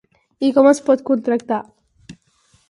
I com es pot contractar?